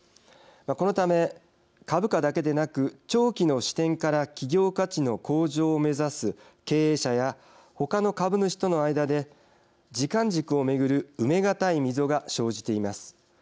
このため、株価だけでなく長期の視点から企業価値の向上を目指す経営者や他の株主との間で時間軸を巡る埋め難い溝が生じています。